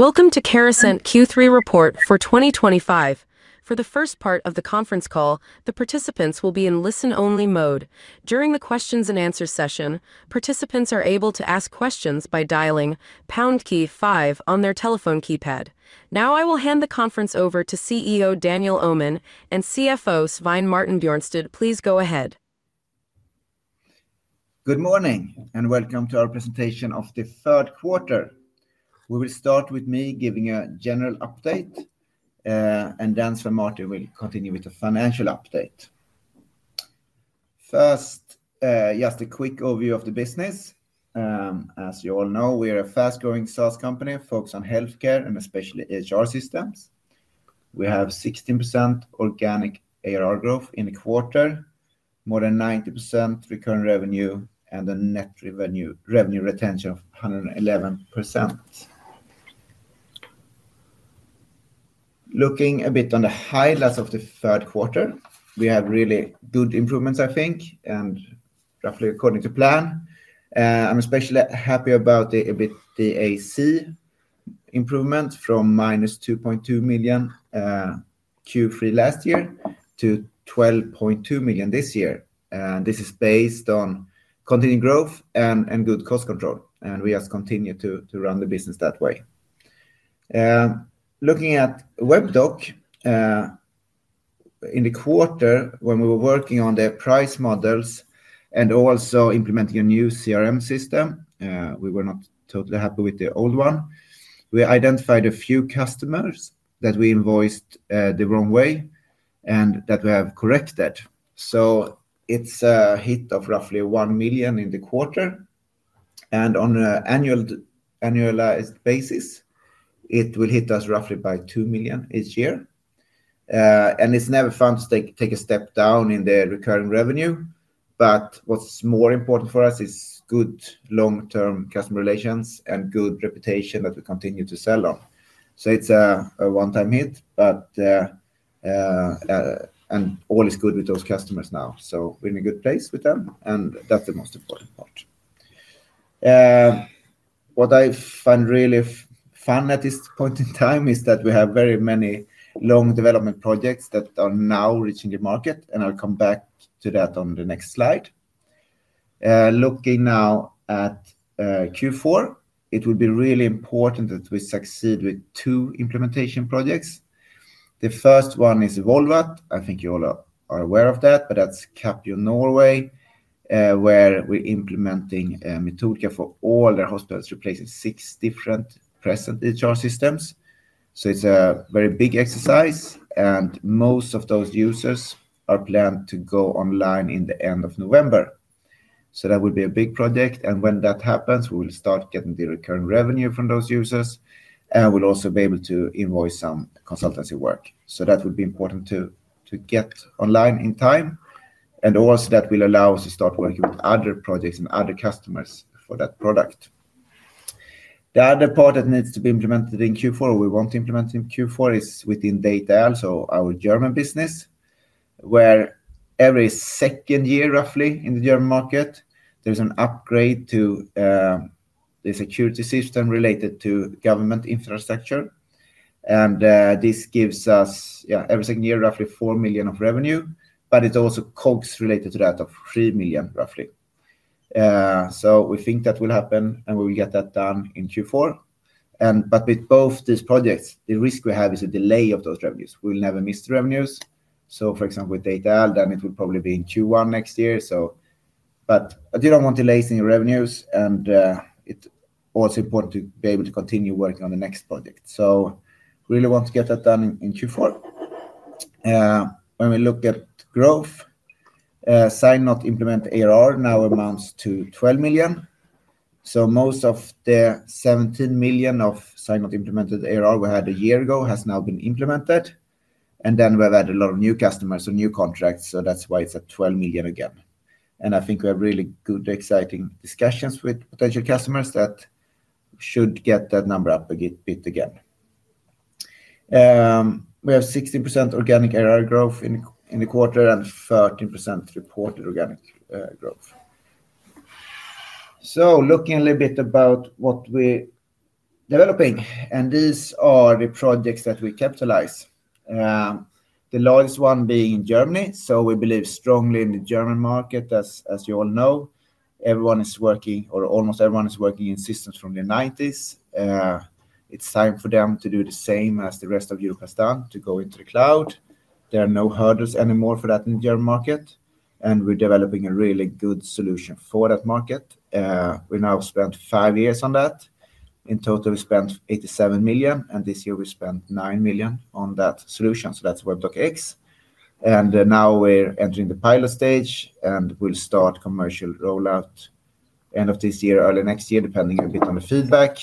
Welcome to Carasent Q3 report for 2025. For the first part of the conference call, the participants will be in listen-only mode. During the questions-and-answers session, participants are able to ask questions by dialing Pound key, five on their telephone keypad. Now, I will hand the conference over to CEO Daniel Öhman and CFO Svein Martin Bjørnstad, please go ahead. Good morning and welcome to our presentation of the third quarter. We will start with me giving a general update, and then Svein Martin will continue with the financial update. First, just a quick overview of the business. As you all know, we are a fast-growing SaaS company focused on healthcare and especially HR systems. We have 16% organic ARR growth in the quarter, more than 90% recurring revenue, and a net revenue retention of 111%. Looking a bit on the highlights of the third quarter, we have really good improvements, I think, and roughly according to plan. I'm especially happy about the EBITDA improvement from - 2.2 million Q3 last year to 12.2 million this year. This is based on continued growth and good cost control, and we just continue to run the business that way. Looking at WebDoc, in the quarter when we were working on the price models and also implementing a new CRM system, we were not totally happy with the old one. We identified a few customers that we invoiced the wrong way and that we have corrected. It's a hit of roughly 1 million in the quarter, and on an annualized basis, it will hit us roughly by 2 million each year. It's never fun to take a step down in the recurring revenue, but what's more important for us is good long-term customer relations and good reputation that we continue to sell on. It's a one-time hit, but all is good with those customers now. We're in a good place with them, and that's the most important part. What I find really fun at this point in time is that we have very many long development projects that are now reaching the market, and I'll come back to that on the next slide. Looking now at Q4, it will be really important that we succeed with two implementation projects. The first one is EvolvAt. I think you all are aware of that, but that's Capio Norway, where we're implementing a methodical for all their hospitals replacing six different present HR systems. It's a very big exercise, and most of those users are planned to go online in the end of November. That will be a big project, and when that happens, we will start getting the recurring revenue from those users, and we'll also be able to invoice some consultancy work. That will be important to get online in time, and also that will allow us to start working with other projects and other customers for that product. The other part that needs to be implemented in Q4, or we want to implement in Q4, is within data, so our German business, where every second year, roughly, in the German market, there's an upgrade to the security system related to government infrastructure. This gives us, every second year, roughly 4 million of revenue, but it also has COGS related to that of 3 million, roughly. We think that will happen, and we will get that done in Q4. With both these projects, the risk we have is a delay of those revenues. We'll never miss the revenues. For example, with data, then it will probably be in Q1 next year. You don't want to lace in your revenues, and it's also important to be able to continue working on the next project. We really want to get that done in Q4. When we look at growth, Sign Not Implement ARR now amounts to 12 million. Most of the 17 million of Sign Not Implemented ARR we had a year ago has now been implemented. We've had a lot of new customers or new contracts, so that's why it's at 12 million again. I think we have really good, exciting discussions with potential customers that should get that number up a bit again. We have 16% organic ARR growth in the quarter and 13% reported organic growth. Looking a little bit about what we're developing, these are the projects that we capitalize. The largest one is in Germany. We believe strongly in the German market. As you all know, everyone is working, or almost everyone is working, in systems from the 1990s. It's time for them to do the same as the rest of Europe has done, to go into the cloud. There are no hurdles anymore for that in the German market, and we're developing a really good solution for that market. We have now spent five years on that. In total, we spent 87 million, and this year we spent 9 million on that solution. That's WebDocX. Now we're entering the pilot stage, and we'll start commercial rollout end of this year, early next year, depending a bit on the feedback,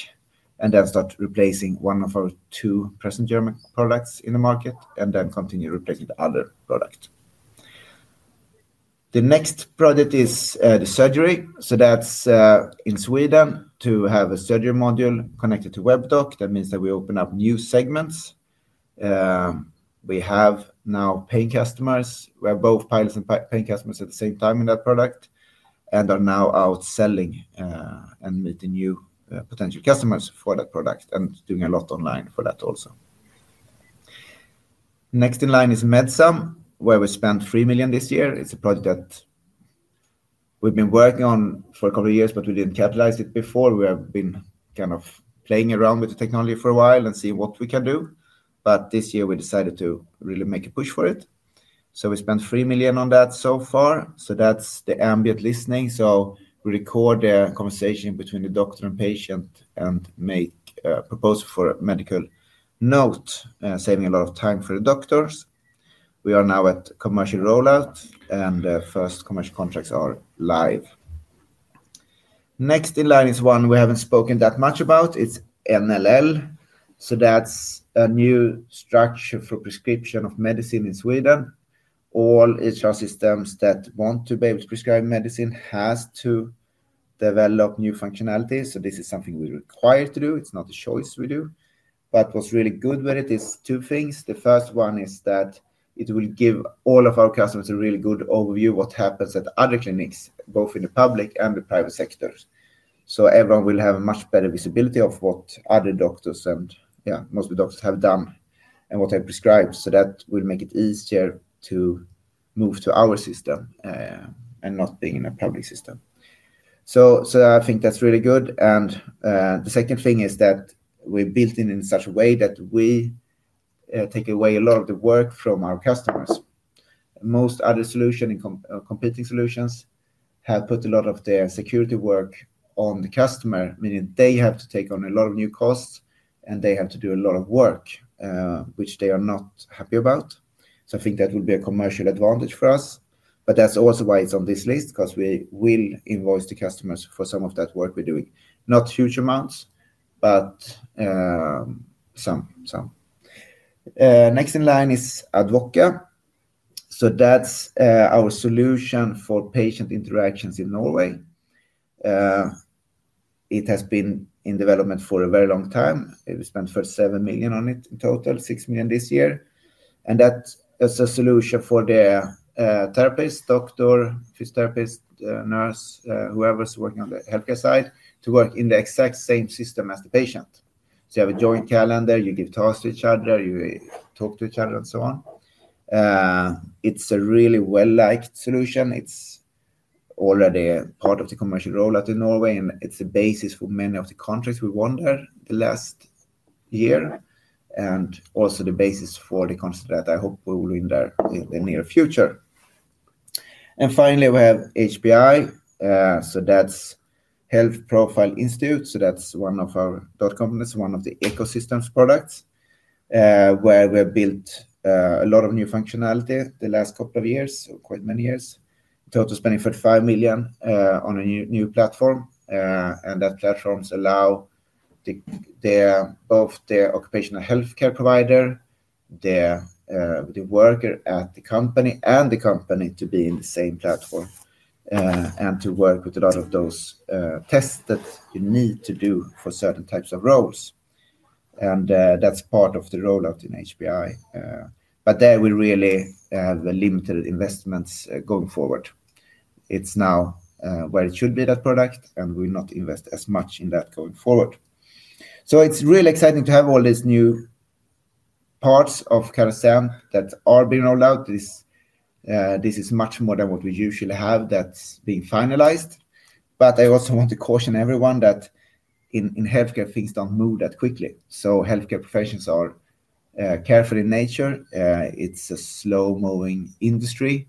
and then start replacing one of our two present German products in the market, and then continue replacing the other product. The next project is the surgery. That's in Sweden to have a surgery module connected to WebDoc. That means that we open up new segments. We have now pain customers. We have both pilots and paying customers at the same time in that product and are now outselling and meeting new potential customers for that product and doing a lot online for that also. Next in line is MedSum, where we spent 3 million this year. It's a project that we've been working on for a couple of years, but we didn't capitalize it before. We have been kind of playing around with the technology for a while and seeing what we can do. This year we decided to really make a push for it. We spent 3 million on that so far. That's the AI-powered ambient listening. We record the conversation between the doctor and patient and make a proposal for a medical note, saving a lot of time for the doctors. We are now at commercial rollout, and the first commercial contracts are live. Next in line is one we haven't spoken that much about. It's NLL. That's a new structure for prescription of medicine in Sweden. All HR systems that want to be able to prescribe medicine have to develop new functionalities. This is something we're required to do. It's not a choice we do. What's really good with it is two things. The first one is that it will give all of our customers a really good overview of what happens at other clinics, both in the public and the private sectors. Everyone will have a much better visibility of what other doctors and, yeah, most of the doctors have done and what they prescribe. That will make it easier to move to our system and not being in a public system. I think that's really good. The second thing is that we're built in in such a way that we take away a lot of the work from our customers. Most other solutions and competing solutions have put a lot of their security work on the customer, meaning they have to take on a lot of new costs and they have to do a lot of work, which they are not happy about. I think that will be a commercial advantage for us. That's also why it's on this list, because we will invoice the customers for some of that work we're doing. Not huge amounts, but some. Next in line is Advoca. That's our solution for patient interactions in Norway. It has been in development for a very long time. We spent first 7 million on it in total, 6 million this year. That's a solution for the therapist, doctor, physiotherapist, nurse, whoever's working on the healthcare side to work in the exact same system as the patient. You have a joint calendar, you give tasks to each other, you talk to each other, and so on. It's a really well-liked solution. It's already part of the commercial rollout in Norway, and it's the basis for many of the contracts we won there the last year, and also the basis for the contracts that I hope we will win there in the near future. Finally, we have HPI. That's Health Profile Institute. That's one of our dot companies and one of the ecosystem's products where we have built a lot of new functionality the last couple of years, quite many years, total spending 35 million on a new platform. That platform allows both the occupational healthcare provider, the worker at the company, and the company to be in the same platform and to work with a lot of those tests that you need to do for certain types of roles. That's part of the rollout in HPI. There we really have limited investments going forward. It's now where it should be, that product, and we'll not invest as much in that going forward. It's really exciting to have all these new parts of Carasent that are being rolled out. This is much more than what we usually have that's being finalized. I also want to caution everyone that in healthcare, things don't move that quickly. Healthcare professions are careful in nature. It's a slow-moving industry,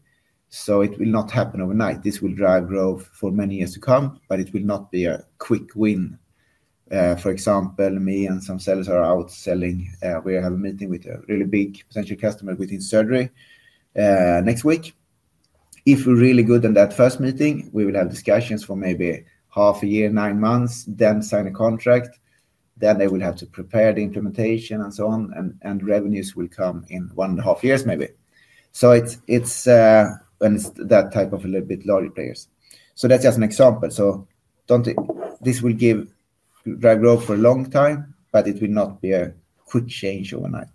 so it will not happen overnight. This will drive growth for many years to come, but it will not be a quick win. For example, me and some sellers are outselling. We have a meeting with a really big potential customer within surgery next week. If we're really good in that first meeting, we will have discussions for maybe half a year, nine months, then sign a contract. They will have to prepare the implementation and so on, and revenues will come in one and a half years, maybe. It's that type of a little bit larger players. That's just an example. This will drive growth for a long time, but it will not be a quick change overnight.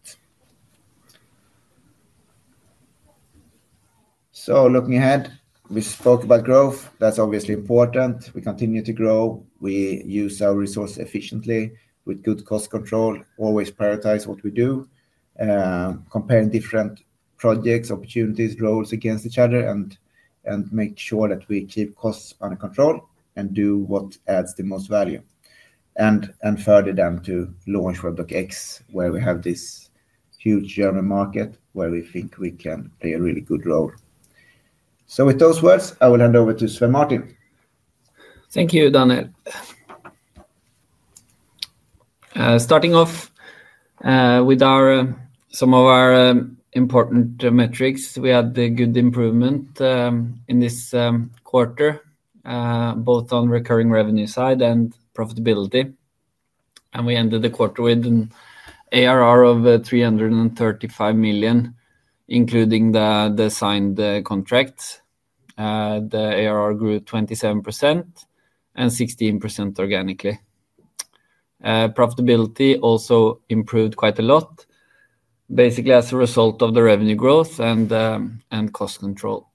Looking ahead, we spoke about growth. That's obviously important. We continue to grow. We use our resources efficiently with good cost control. Always prioritize what we do, comparing different projects, opportunities, roles against each other, and make sure that we keep costs under control and do what adds the most value. Further, to launch WebDocX, we have this huge German market where we think we can play a really good role. With those words, I will hand over to Svein Martin. Thank you, Daniel. Starting off with some of our important metrics, we had a good improvement in this quarter, both on the recurring revenue side and profitability. We ended the quarter with an ARR of 335 million, including the signed contracts. The ARR grew 27% and 16% organically. Profitability also improved quite a lot, basically as a result of the revenue growth and cost control.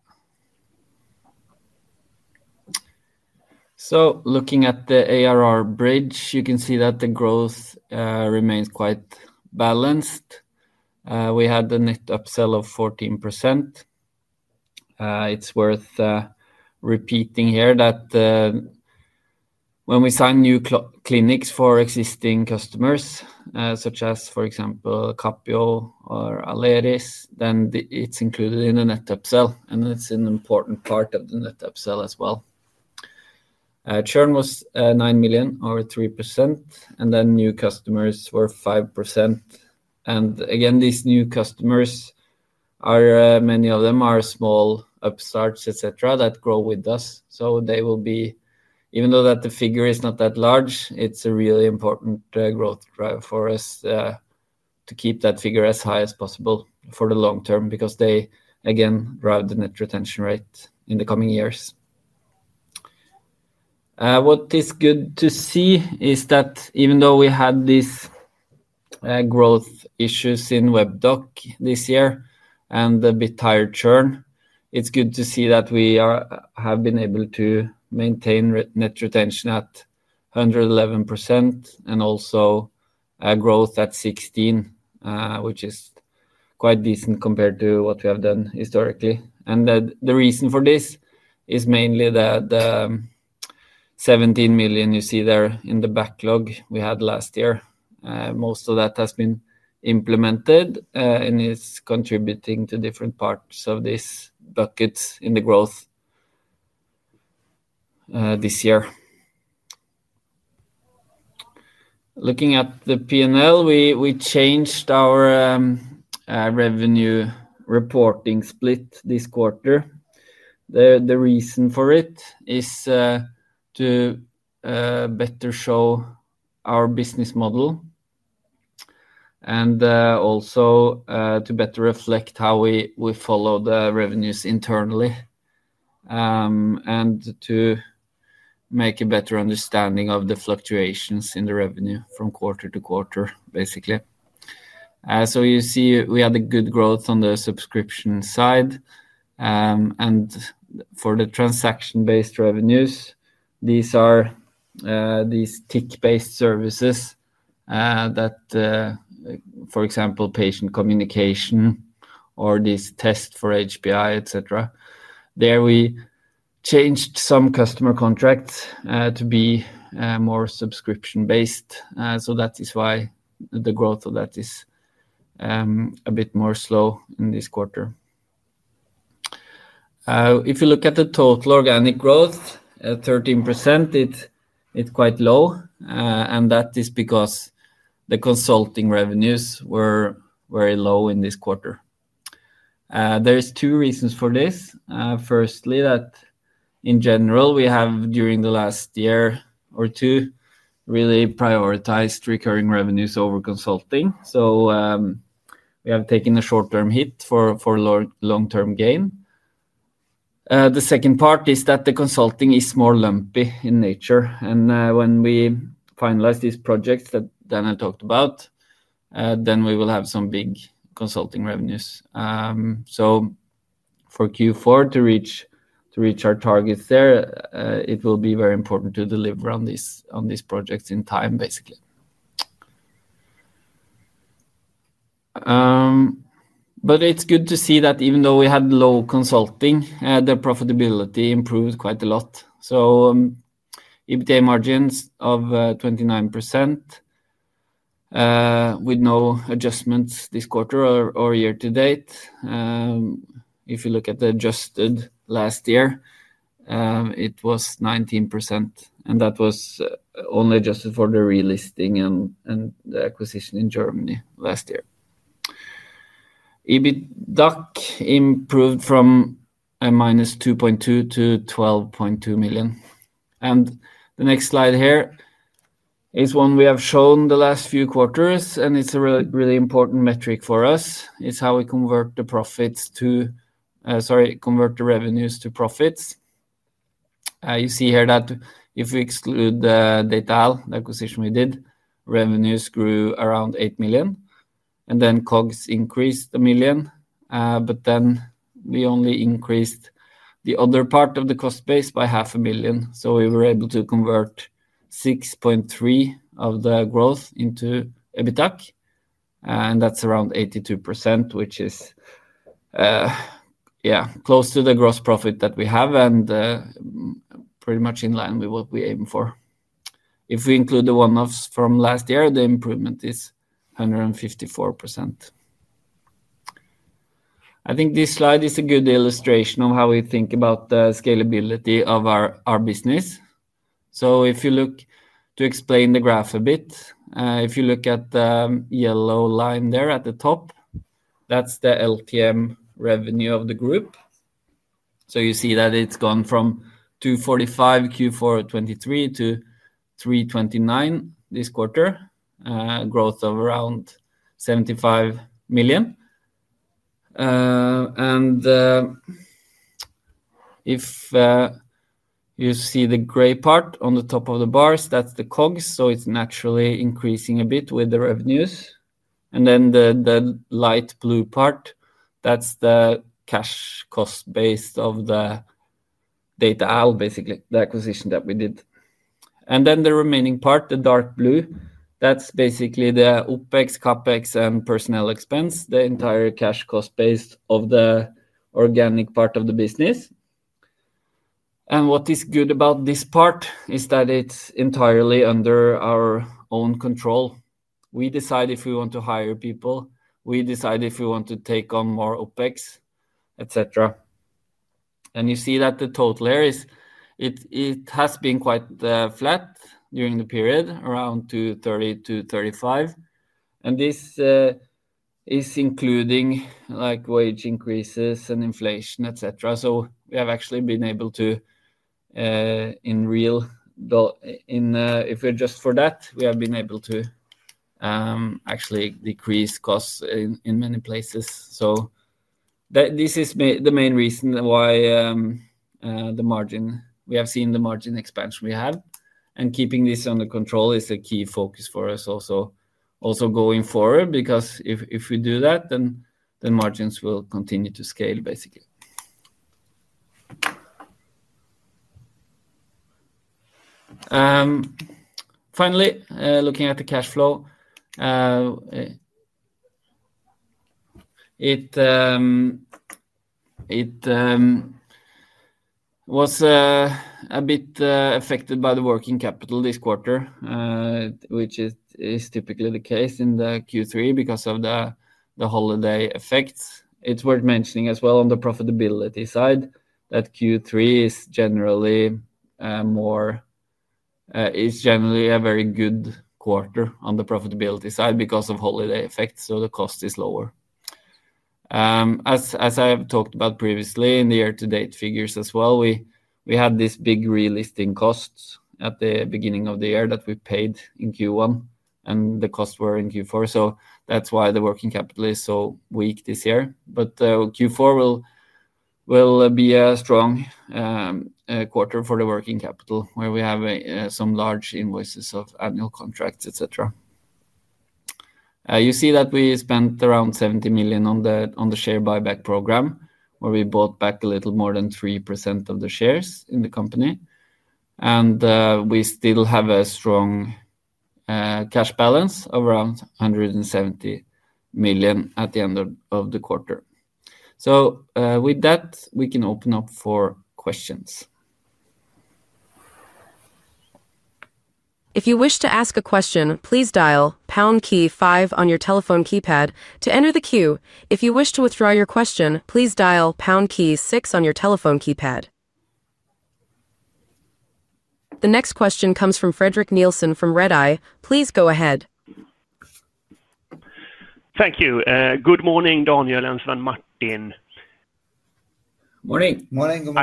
Looking at the ARR bridge, you can see that the growth remains quite balanced. We had a net upsell of 14%. It's worth repeating here that when we sign new clinics for existing customers, such as, for example, Capio or Aleris, then it's included in the net upsell, and it's an important part of the net upsell as well. Churn was 9 million or 3%, and new customers were 5%. These new customers, many of them are small upstarts, etc., that grow with us. Even though the figure is not that large, it's a really important growth driver for us to keep that figure as high as possible for the long term because they, again, drive the net revenue retention rate in the coming years. What is good to see is that even though we had these growth issues in WebDoc this year and a bit higher churn, it's good to see that we have been able to maintain net retention at 111% and also growth at 16%, which is quite decent compared to what we have done historically. The reason for this is mainly that the 17 million you see there in the backlog we had last year, most of that has been implemented and is contributing to different parts of these buckets in the growth this year. Looking at the P&L, we changed our revenue reporting split this quarter. The reason for it is to better show our business model and also to better reflect how we follow the revenues internally and to make a better understanding of the fluctuations in the revenue from quarter to quarter. You see we had a good growth on the subscription side. For the transaction-based revenues, these are these tick-based services that, for example, patient communication or these tests for Health Profile Institute, etc. There we changed some customer contracts to be more subscription-based. That is why the growth of that is a bit more slow in this quarter. If you look at the total organic growth, 13%, it's quite low. That is because the consulting revenue was very low in this quarter. There are two reasons for this. Firstly, that in general, we have, during the last year or two, really prioritized recurring revenues over consulting. We have taken a short-term hit for long-term gain. The second part is that the consulting is more lumpy in nature. When we finalize these projects that Daniel talked about, we will have some big consulting revenues. For Q4 to reach our targets there, it will be very important to deliver on these projects in time, basically. It's good to see that even though we had low consulting, the profitability improved quite a lot. EBITDA margins of 29% with no adjustments this quarter or year to date. If you look at the adjusted last year, it was 19%. That was only adjusted for the relisting and the acquisition in Germany last year. EBITDA improved from a -2.2 million-12.2 million. The next slide here is one we have shown the last few quarters, and it's a really important metric for us. It's how we convert the profits to, sorry, convert the revenues to profits. You see here that if we exclude the detail, the acquisition we did, revenues grew around 8 million. COGS increased 1 million. We only increased the other part of the cost base by 0.5 million. We were able to convert 6.3 million of the growth into EBITDA. That's around 82%, which is, yeah, close to the gross profit that we have and pretty much in line with what we aim for. If we include the one-offs from last year, the improvement is 154%. I think this slide is a good illustration of how we think about the scalability of our business. To explain the graph a bit, if you look at the yellow line there at the top, that's the LTM revenue of the group. You see that it's gone from 245 million Q4 of 2023 to 329 million this quarter, growth of around 75 million. If you see the gray part on the top of the bars, that's the COGS. It's naturally increasing a bit with the revenues. The light blue part, that's the cash cost base of the data out, basically, the acquisition that we did. The remaining part, the dark blue, that's basically the OpEx, CapEx, and personnel expense, the entire cash cost base of the organic part of the business. What is good about this part is that it's entirely under our own control. We decide if we want to hire people. We decide if we want to take on more OpEx, etc. You see that the total here has been quite flat during the period, around 230 million-235 million. This is including wage increases and inflation, etc. We have actually been able to, if we adjust for that, decrease costs in many places. This is the main reason why we have seen the margin expansion we have, and keeping this under control is a key focus for us going forward because if we do that, margins will continue to scale, basically. Finally, looking at the cash flow, it was a bit affected by the working capital this quarter, which is typically the case in Q3 because of the holiday effects. It's worth mentioning as well on the profitability side that Q3 is generally a very good quarter on the profitability side because of holiday effects, so the cost is lower. As I have talked about previously in the year-to-date figures as well, we had these big relisting costs at the beginning of the year that we paid in Q1, and the costs were in Q4. That's why the working capital is so weak this year. Q4 will be a strong quarter for the working capital where we have some large invoices of annual contracts, etc. You see that we spent around 70 million on the share buyback program where we bought back a little more than 3% of the shares in the company. We still have a strong cash balance of around 170 million at the end of the quarter. With that, we can open up for questions. If you wish to ask a question, please dial pound key five on your telephone keypad to enter the queue. If you wish to withdraw your question, please dial pound key six on your telephone keypad. The next question comes from Fredrik Nilsson from Redeye. Please go ahead. Thank you. Good morning, Daniel and Svein Martin. Morning. Good morning.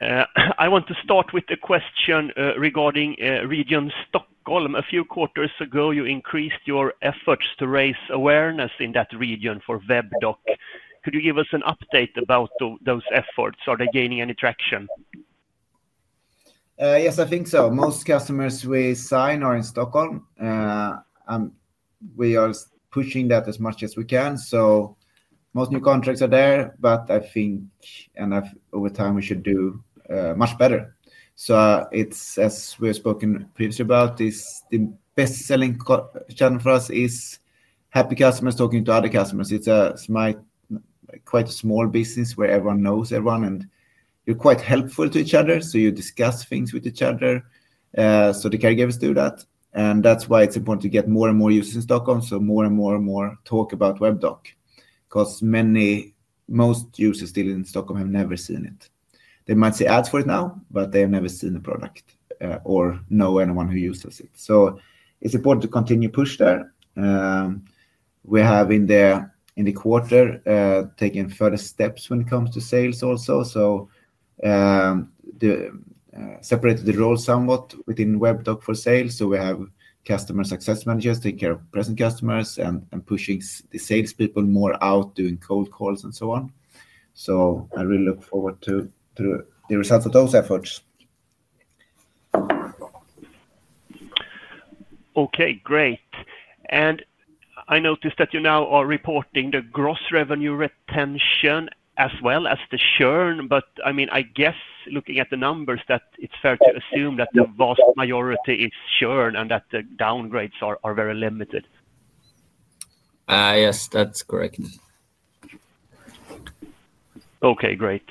I want to start with a question regarding Region Stockholm. A few quarters ago, you increased your efforts to raise awareness in that region for WebDoc. Could you give us an update about those efforts? Are they gaining any traction? Yes, I think so. Most customers we sign are in Stockholm. We are pushing that as much as we can. Most new contracts are there, but I think over time we should do much better. As we've spoken previously about, the best-selling channel for us is happy customers talking to other customers. It's quite a small business where everyone knows everyone and you're quite helpful to each other. You discuss things with each other. The caregivers do that. That's why it's important to get more and more users in Stockholm. More and more talk about WebDoc because most users still in Stockholm have never seen it. They might see ads for it now, but they have never seen the product or know anyone who uses it. It's important to continue to push there. We have in the quarter taken further steps when it comes to sales also. We separated the role somewhat within WebDoc for sales. We have customer success managers taking care of present customers and pushing the salespeople more out doing cold calls and so on. I really look forward to the results of those efforts. Okay, great. I noticed that you now are reporting the gross revenue retention as well as the churn. I guess looking at the numbers that it's fair to assume that the vast majority is churn and that the downgrades are very limited. Yes, that's correct. Okay, great.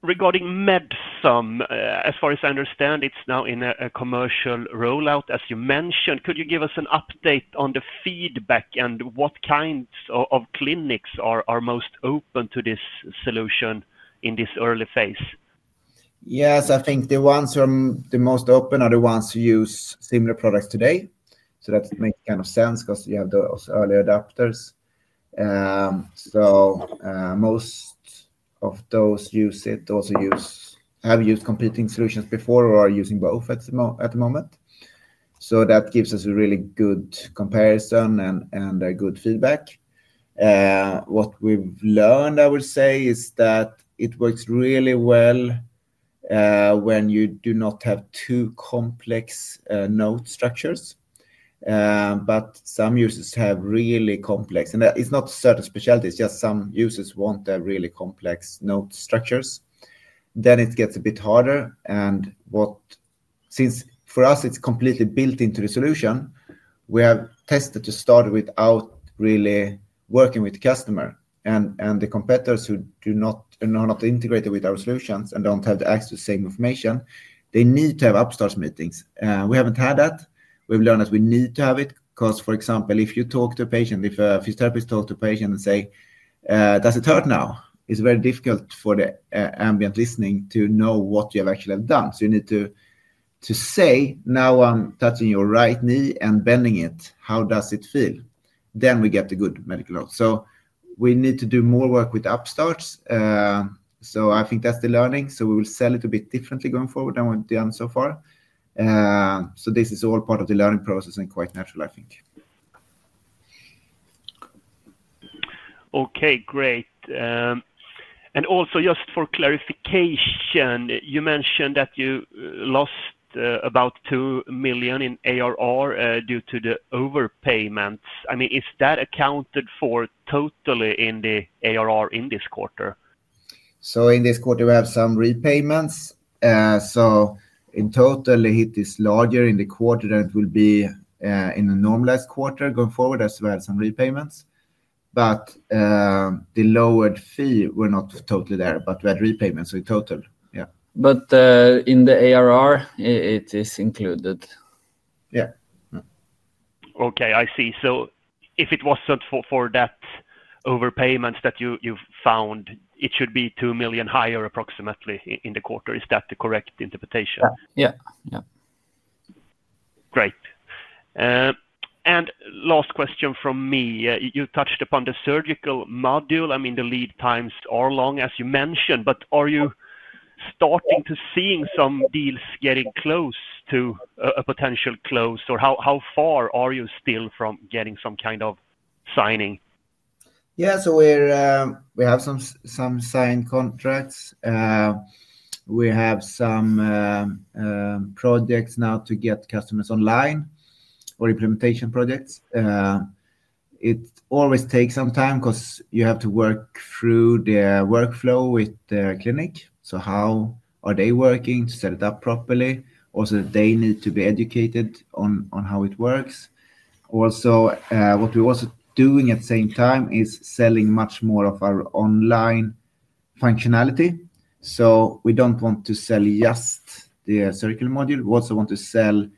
Regarding MedSum, as far as I understand, it's now in a commercial rollout, as you mentioned. Could you give us an update on the feedback and what kinds of clinics are most open to this solution in this early phase? Yes, I think the ones who are the most open are the ones who use similar products today. That makes kind of sense because you have those early adopters. Most of those use it, also have used competing solutions before or are using both at the moment. That gives us a really good comparison and good feedback. What we've learned, I would say, is that it works really well when you do not have too complex node structures. Some users have really complex, and it's not certain specialties, just some users want the really complex node structures. It gets a bit harder. Since for us, it's completely built into the solution, we have tested to start without really working with the customer. The competitors who are not integrated with our solutions and don't have access to the same information need to have upstarts meetings. We haven't had that. We've learned that we need to have it because, for example, if you talk to a patient, if a physiotherapist talks to a patient and says, "Does it hurt now?" it's very difficult for the ambient listening to know what you have actually done. You need to say, "Now I'm touching your right knee and bending it. How does it feel?" Then we get the good medical notes. We need to do more work with upstarts. I think that's the learning. We will sell it a bit differently going forward than we've done so far. This is all part of the learning process and quite natural, I think. Okay, great. Just for clarification, you mentioned that you lost about 2 million in ARR due to the overpayments. Is that accounted for totally in the ARR in this quarter? In this quarter, we have some repayments. In total, the hit is larger in the quarter than it will be in the normalized quarter going forward. That's where we had some repayments. The lowered fee, we're not totally there, but we had repayments in total. Yeah. It is included in the ARR. Yeah. Okay, I see. If it was for that overpayment that you found, it should be 2 million higher approximately in the quarter. Is that the correct interpretation? Yeah. Yeah. Great. Last question from me. You touched upon the surgical module. The lead times are long, as you mentioned, but are you starting to see some deals getting close to a potential close? How far are you still from getting some kind of signing? Yeah, we have some signed contracts. We have some projects now to get customers online or implementation projects. It always takes some time because you have to work through the workflow with the clinic. How are they working to set it up properly? Also, they need to be educated on how it works. What we're also doing at the same time is selling much more of our online functionality. We don't want to sell just the surgical module. We also want to sell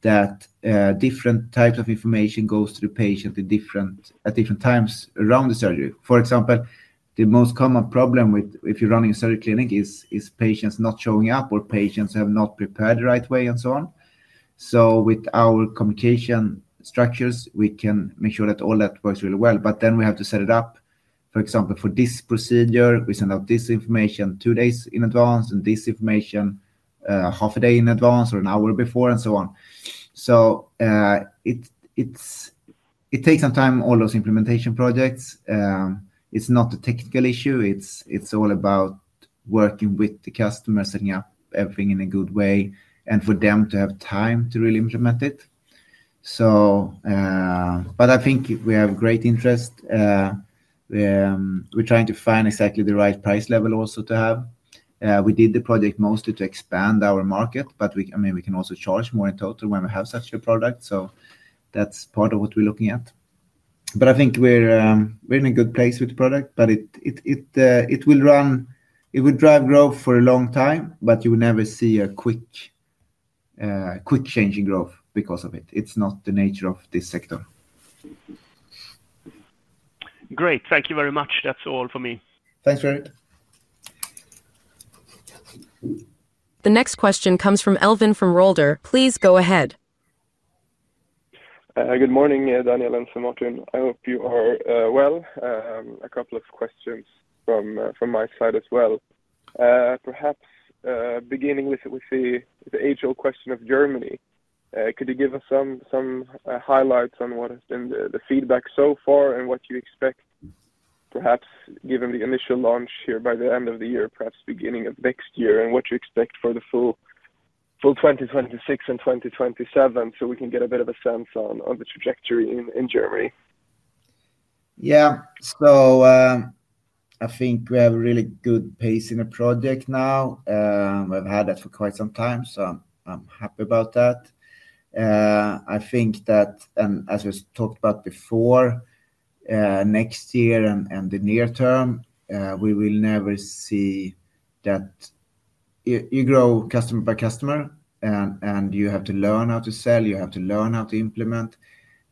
that different types of information go to the patient at different times around the surgery. For example, the most common problem if you're running a surgical clinic is patients not showing up or patients who have not prepared the right way and so on. With our communication structures, we can make sure that all that works really well. Then we have to set it up. For example, for this procedure, we send out this information two days in advance and this information half a day in advance or an hour before and so on. It takes some time, all those implementation projects. It's not a technical issue. It's all about working with the customer, setting up everything in a good way, and for them to have time to really implement it. I think we have great interest. We're trying to find exactly the right price level also to have. We did the project mostly to expand our market, but we can also charge more in total when we have such a product. That's part of what we're looking at. I think we're in a good place with the product, and it will drive growth for a long time, but you will never see a quick change in growth because of it. It's not the nature of this sector. Great. Thank you very much. That's all for me. Thanks, Fredrik. The next question comes from Elvin from Rolder. Please go ahead. Good morning, Daniel and Svein Martin. I hope you are well. A couple of questions from my side as well. Perhaps beginning with the age-old question of Germany, could you give us some highlights on what has been the feedback so far and what you expect, perhaps given the initial launch here by the end of the year, perhaps beginning of next year, and what you expect for the full 2026 and 2027 so we can get a bit of a sense on the trajectory in Germany? Yeah, I think we have a really good pace in the project now. We've had that for quite some time, so I'm happy about that. I think that, as we've talked about before, next year and the near term, we will never see that you grow customer by customer and you have to learn how to sell. You have to learn how to implement.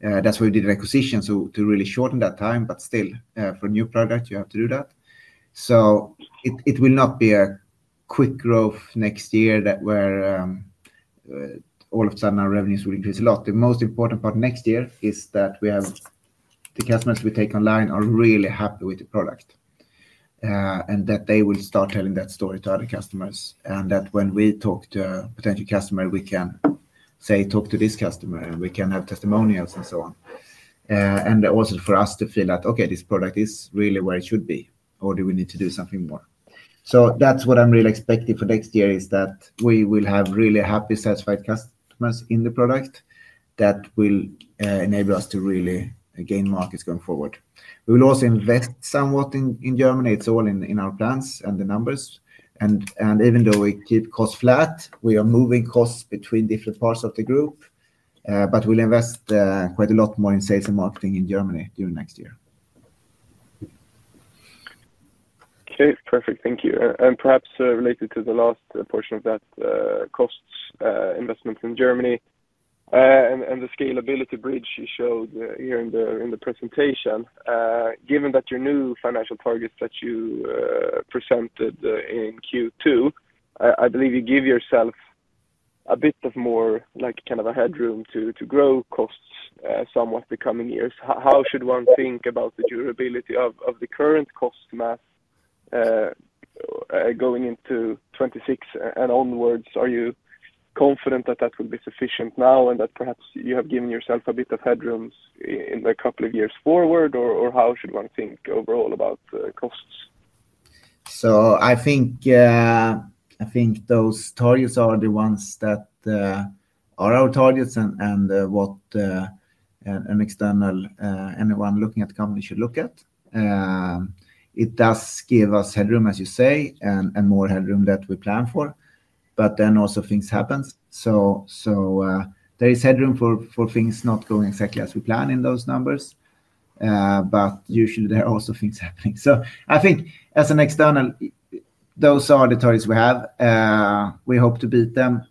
That's why we did the acquisition to really shorten that time. For a new product, you have to do that. It will not be a quick growth next year where all of a sudden our revenues will increase a lot. The most important part next year is that we have the customers we take online are really happy with the product and that they will start telling that story to other customers. When we talk to a potential customer, we can say, "Talk to this customer," and we can have testimonials and so on. Also, for us to feel that, "Okay, this product is really where it should be," or, "Do we need to do something more?" That's what I'm really expecting for next year, that we will have really happy, satisfied customers in the product that will enable us to really gain markets going forward. We will also invest somewhat in Germany. It's all in our plans and the numbers. Even though we keep costs flat, we are moving costs between different parts of the group, but we'll invest quite a lot more in sales and marketing in Germany during next year. Okay, perfect. Thank you. Perhaps related to the last portion of that, cost investments in Germany and the scalability bridge you showed here in the presentation, given that your new financial targets that you presented in Q2, I believe you give yourself a bit more like kind of a headroom to grow costs somewhat the coming years. How should one think about the durability of the current cost mass going into 2026 and onwards? Are you confident that that will be sufficient now and that perhaps you have given yourself a bit of headroom in a couple of years forward, or how should one think overall about costs? I think those targets are the ones that are our targets and what an external anyone looking at the company should look at. It does give us headroom, as you say, and more headroom than we plan for. There is headroom for things not going exactly as we plan in those numbers. Usually, there are also things happening. I think as an external, those are the targets we have. We hope to beat them.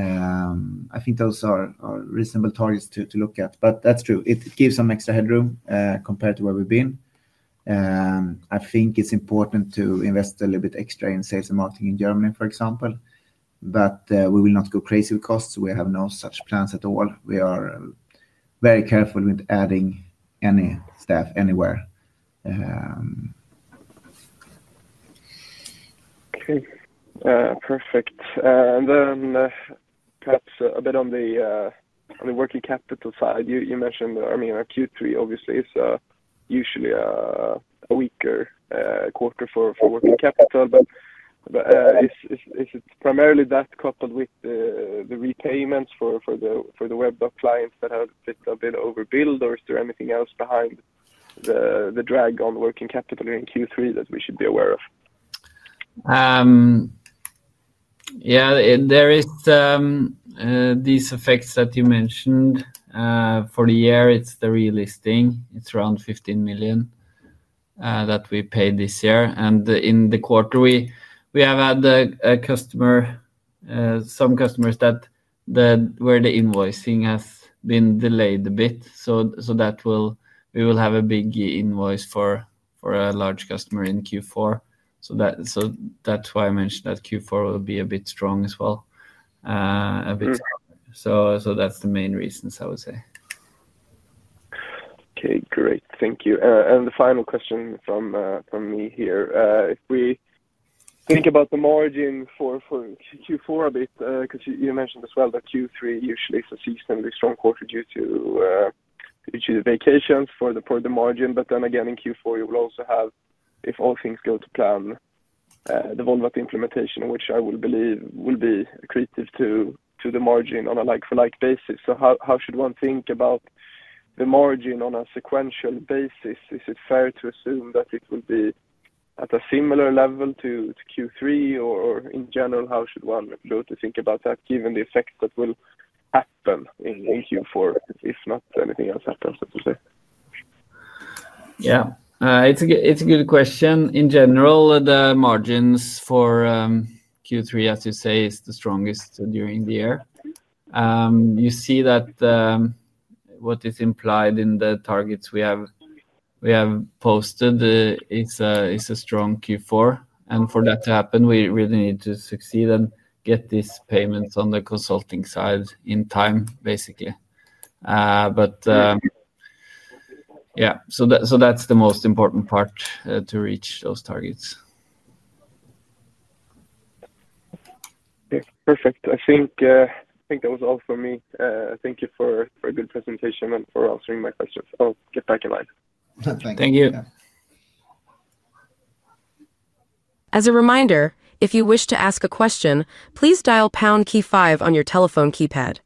I think those are reasonable targets to look at. That's true. It gives some extra headroom compared to where we've been. I think it's important to invest a little bit extra in sales and marketing in Germany, for example. We will not go crazy with costs. We have no such plans at all. We are very careful with adding any staff anywhere. Okay, perfect. Perhaps a bit on the working capital side, you mentioned Q3 obviously is usually a weaker quarter for working capital. Is it primarily that coupled with the repayments for the WebDoc clients that have a bit of overbuild, or is there anything else behind the drag on working capital in Q3 that we should be aware of? Yeah, there are these effects that you mentioned for the year. It's the relisting. It's around 15 million that we paid this year. In the quarter, we have had some customers where the invoicing has been delayed a bit. That will mean we will have a big invoice for a large customer in Q4, which is why I mentioned that Q4 will be a bit strong as well, a bit stronger. That's the main reasons, I would say. Okay, great. Thank you. The final question from me here, if we think about the margin for Q4 a bit, because you mentioned as well that Q3 usually is a seasonally strong quarter due to the vacations for the margin. In Q4, you will also have, if all things go to plan, the EvolvAt implementation, which I believe will be accretive to the margin on a like-for-like basis. How should one think about the margin on a sequential basis? Is it fair to assume that it will be at a similar level to Q3, or in general, how should one think about that given the effects that will happen in Q4 if not anything else happens, as you say? Yeah, it's a good question. In general, the margins for Q3, as you say, is the strongest during the year. You see that what is implied in the targets we have posted is a strong Q4. For that to happen, we really need to succeed and get these payments on the consulting side in time, basically. Yeah, that's the most important part to reach those targets. Okay, perfect. I think that was all for me. Thank you for a good presentation and for answering my questions. I'll get back in line. Thank you. Thank you. As a reminder, if you wish to ask a question, please dial Pound key, five on your telephone keypad.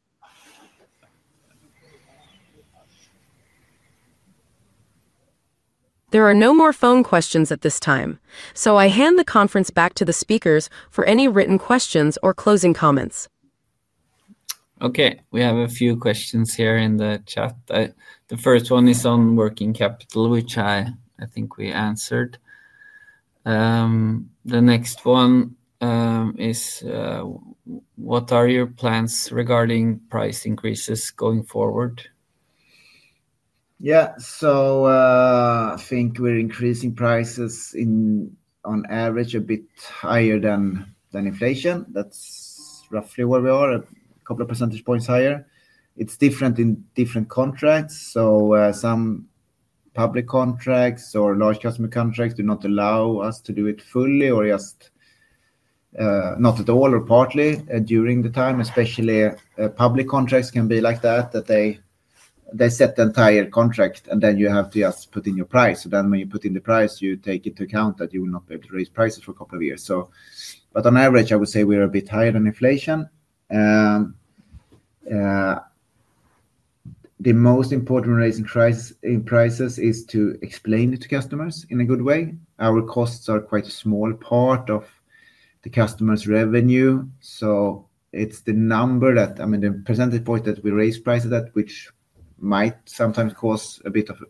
There are no more phone questions at this time. I hand the conference back to the speakers for any written questions or closing comments. Okay, we have a few questions here in the chat. The first one is on working capital, which I think we answered. The next one is, what are your plans regarding price increases going forward? Yeah, so I think we're increasing prices on average a bit higher than inflation. That's roughly where we are, a couple of percentage points higher. It's different in different contracts. Some public contracts or large customer contracts do not allow us to do it fully or just not at all or partly during the time. Especially public contracts can be like that, that they set the entire contract and then you have to just put in your price. When you put in the price, you take into account that you will not be able to raise prices for a couple of years. On average, I would say we're a bit higher than inflation. The most important reason in prices is to explain it to customers in a good way. Our costs are quite a small part of the customer's revenue. It's the number that, I mean, the percentage point that we raise prices at, which might sometimes cause a bit of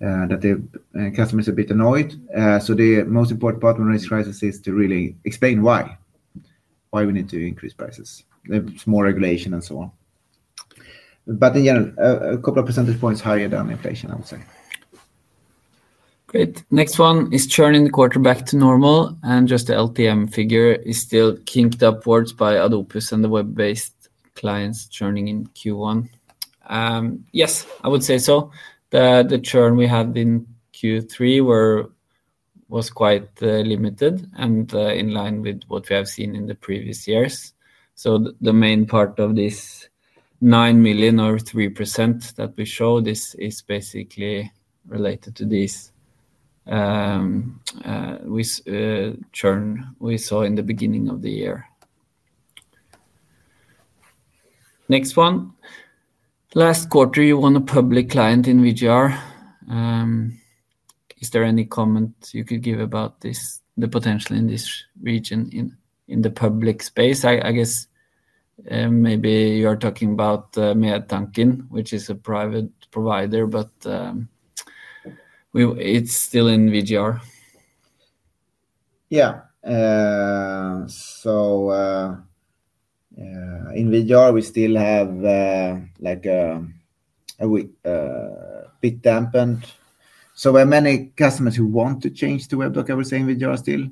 that the customer is a bit annoyed. The most important part when raising prices is to really explain why we need to increase prices, the small regulation and so on. In general, a couple of percentage points higher than inflation, I would say. Great. Next one is churn in the quarter back to normal. The LTM figure is still kinked upwards by Adobus and the web-based clients churning in Q1. Yes, I would say so. The churn we had in Q3 was quite limited and in line with what we have seen in previous years. The main part of this 9 million or 3% that we show is basically related to this churn we saw in the beginning of the year. Next one, last quarter, you won a public client in VGR. Is there any comment you could give about the potential in this region in the public space? I guess maybe you are talking about Mea Tankin, which is a private provider, but it's still in VGR. Yeah. In VGR we still have a bit dampened. There are many customers who want to change to WebDoc, I would say, in VGR still.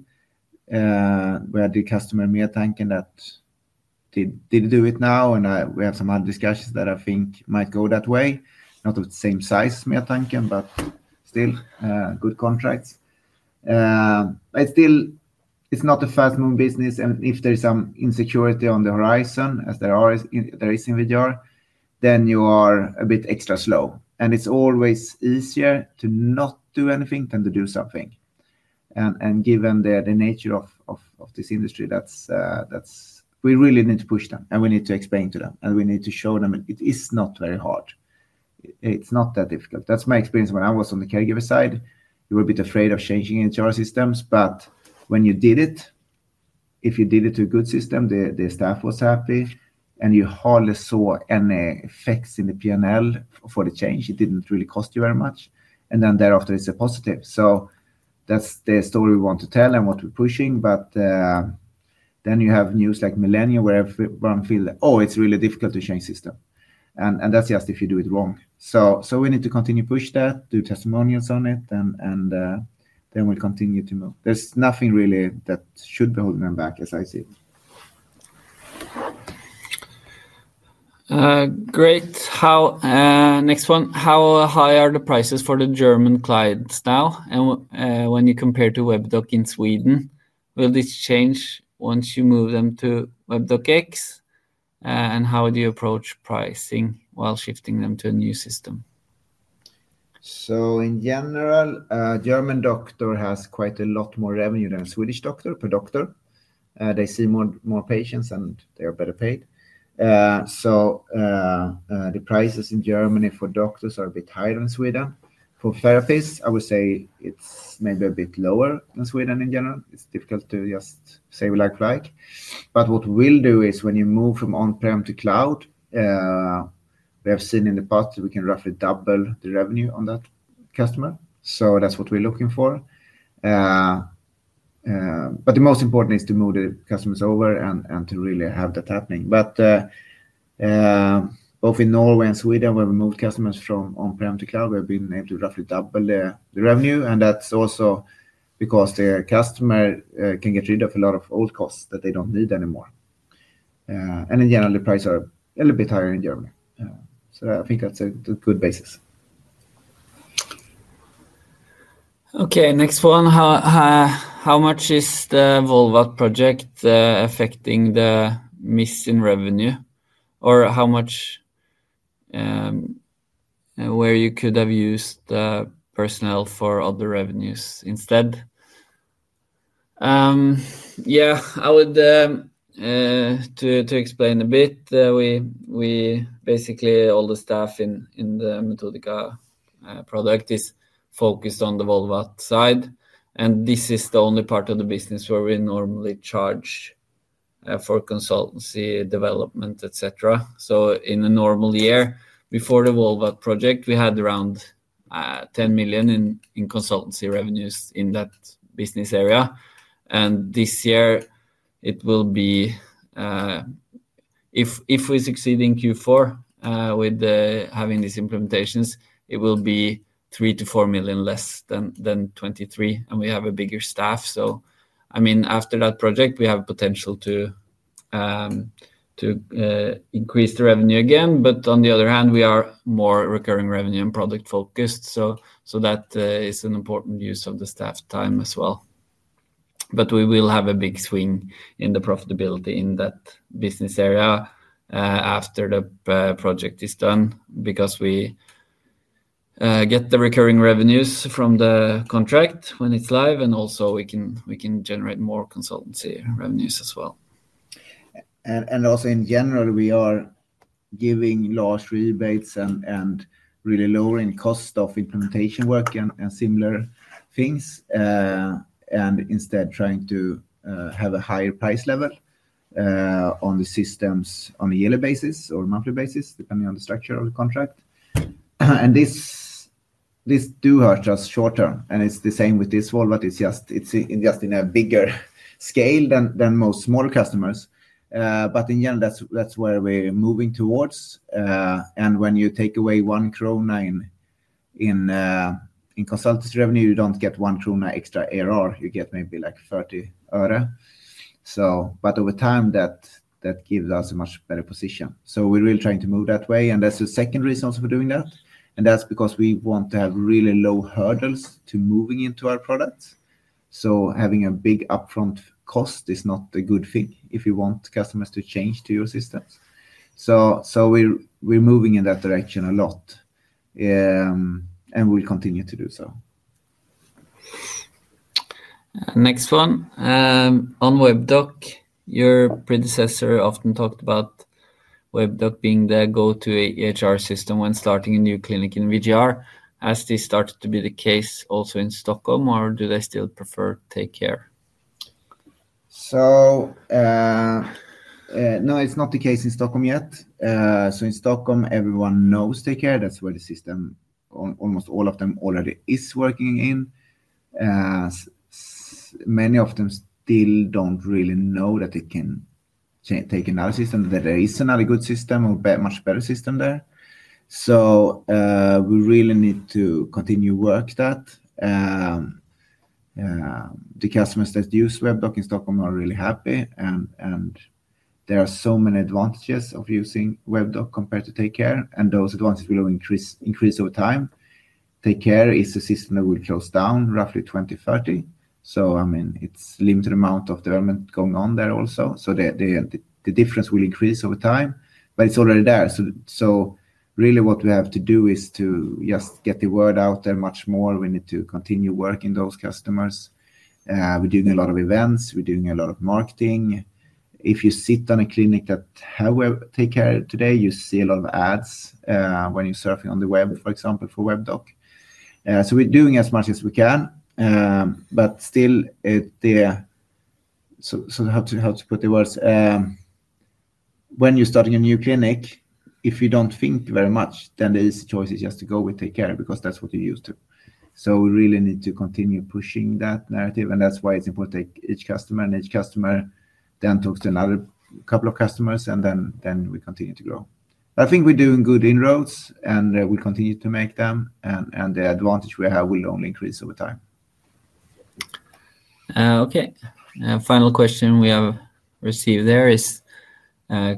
We had the customer Mea Tankin that did do it now, and we have some other discussions that I think might go that way. Not of the same size as Mea Tankin, but still good contracts. It's not a fast-moving business, and if there is some insecurity on the horizon, as there is in VGR, you are a bit extra slow. It's always easier to not do anything than to do something. Given the nature of this industry, we really need to push them, and we need to explain to them, and we need to show them it is not very hard. It's not that difficult. That's my experience when I was on the caregiver side. You were a bit afraid of changing HR systems, but when you did it, if you did it to a good system, the staff was happy, and you hardly saw any effects in the P&L for the change. It didn't really cost you very much. Thereafter, it's a positive. That's the story we want to tell and what we're pushing. You have news like Millennial, where everyone feels, "Oh, it's really difficult to change the system." That's just if you do it wrong. We need to continue to push that, do testimonials on it, and then we continue to move. There's nothing really that should be holding them back, as I see it. Great. Next one, how high are the prices for the German clients now? When you compare to WebDoc in Sweden, will this change once you move them to WebDocX? How do you approach pricing while shifting them to a new system? In general, German doctor has quite a lot more revenue than Swedish doctor per doctor. They see more patients and they are better paid. The prices in Germany for doctors are a bit higher than Sweden. For therapists, I would say it's maybe a bit lower than Sweden in general. It's difficult to just say we like-for-like. What we'll do is when you move from on-premise to cloud, we have seen in the past that we can roughly double the revenue on that customer. That's what we're looking for. The most important is to move the customers over and to really have that happening. Both in Norway and Sweden, where we moved customers from on-premise to cloud, we have been able to roughly double the revenue. That's also because the customer can get rid of a lot of old costs that they don't need anymore. In general, the prices are a little bit higher in Germany. I think that's a good basis. Okay, next one, how much is the EvolvAt project affecting the missing revenue? Or how much where you could have used the personnel for other revenues instead? Yeah, I would like to explain a bit. We basically, all the staff in the Methodica product is focused on the EvolvAt side. This is the only part of the business where we normally charge for consultancy, development, etc. In a normal year, before the EvolvAt project, we had around 10 million in consultancy revenues in that business area. This year, it will be, if we succeed in Q4 with having these implementations, it will be 3-4 million less than 2023. We have a bigger staff. I mean, after that project, we have a potential to increase the revenue again. On the other hand, we are more recurring revenue and product-focused. That is an important use of the staff time as well. We will have a big swing in the profitability in that business area after the project is done because we get the recurring revenues from the contract when it's live. Also, we can generate more consultancy revenues as well. In general, we are giving large rebates and really lowering costs of implementation work and similar things. Instead, we are trying to have a higher price level on the systems on a yearly basis or a monthly basis, depending on the structure of the contract. These do hurt us short term. It's the same with this EvolvAt. It's just in a bigger scale than most smaller customers. In general, that's where we're moving towards. When you take away one krona in consultancy revenue, you don't get one krona extra ARR. You get maybe like €30. Over time, that gives us a much better position. We're really trying to move that way. That's the second reason for doing that. That's because we want to have really low hurdles to moving into our products. Having a big upfront cost is not a good thing if you want customers to change to your systems. We're moving in that direction a lot and we'll continue to do so. Next one, on WebDoc, your predecessor often talked about WebDoc being the go-to HR system when starting a new clinic in VGR. Has this started to be the case also in Stockholm, or do they still prefer TakeCare? It is not the case in Stockholm yet. In Stockholm, everyone knows TakeCare. That's where the system, almost all of them already is working in. Many of them still don't really know that it can take another system, that there is another good system or a much better system there. We really need to continue to work that. The customers that use WebDoc in Stockholm are really happy, and there are so many advantages of using WebDoc compared to TakeCare. Those advantages will increase over time. TakeCare is a system that will close down roughly 2030. It is a limited amount of development going on there also, so the difference will increase over time, but it's already there. What we have to do is to just get the word out there much more. We need to continue working those customers. We're doing a lot of events. We're doing a lot of marketing. If you sit on a clinic that has TakeCare today, you see a lot of ads when you're surfing on the web, for example, for WebDoc. We're doing as much as we can. Still, when you're starting a new clinic, if you don't think very much, then the easy choice is just to go with TakeCare because that's what you're used to. We really need to continue pushing that narrative. That's why it's important to take each customer, and each customer then talks to another couple of customers, and then we continue to grow. I think we're doing good inroads, and we'll continue to make them. The advantage we have will only increase over time. Okay. The final question we have received is,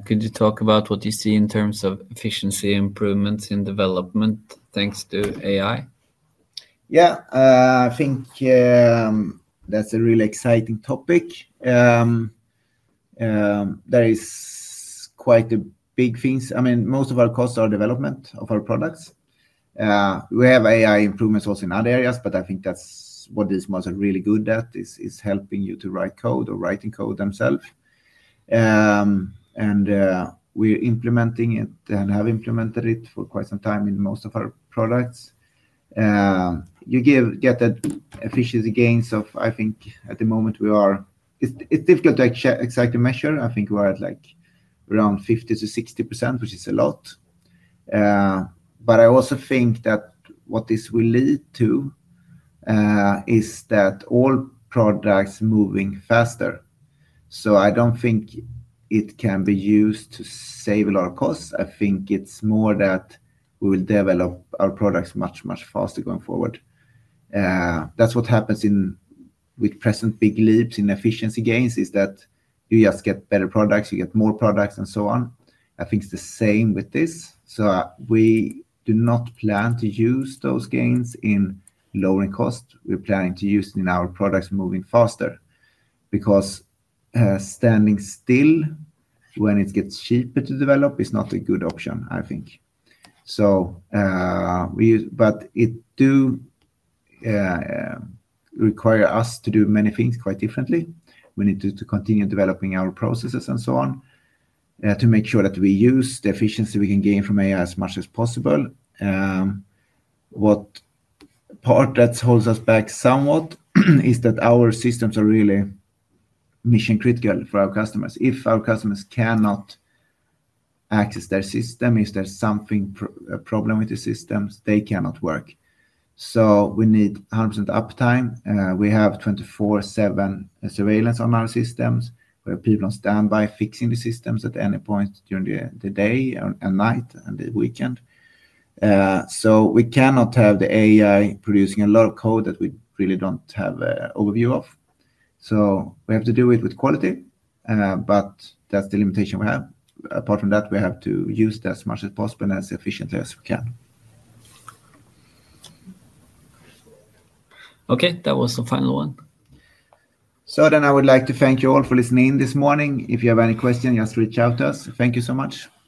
could you talk about what you see in terms of efficiency improvements in development thanks to AI? Yeah, I think that's a really exciting topic. There are quite big things. I mean, most of our costs are development of our products. We have AI improvements also in other areas, but I think that's what these models are really good at is helping you to write code or writing code themselves. We're implementing it and have implemented it for quite some time in most of our products. You get efficiency gains of, I think, at the moment, it's difficult to exactly measure. I think we're at like around 50%-60%, which is a lot. I also think that what this will lead to is that all products are moving faster. I don't think it can be used to save a lot of costs. I think it's more that we will develop our products much, much faster going forward. That's what happens with present big leaps in efficiency gains, you just get better products, you get more products, and so on. I think it's the same with this. We do not plan to use those gains in lowering costs. We're planning to use it in our products moving faster because standing still when it gets cheaper to develop is not a good option, I think. It does require us to do many things quite differently. We need to continue developing our processes and so on to make sure that we use the efficiency we can gain from AI as much as possible. What part that holds us back somewhat is that our systems are really mission-critical for our customers. If our customers cannot access their system, if there's a problem with the systems, they cannot work. We need 100% uptime. We have 24/7 surveillance on our systems. We have people on standby fixing the systems at any point during the day and night and the weekend. We cannot have the AI producing a lot of code that we really don't have an overview of. We have to do it with quality. That's the limitation we have. Apart from that, we have to use it as much as possible and as efficiently as we can. Okay, that was the final one. I would like to thank you all for listening this morning. If you have any questions, just reach out to us. Thank you so much. Thank you.